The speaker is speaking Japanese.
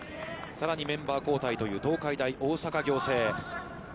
さらにメンバー交代という東海大大阪仰星。